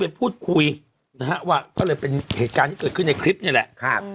พูดคุยนะฮะว่าก็เลยเป็นเหตุการณ์ที่เกิดขึ้นในคลิปนี่แหละครับ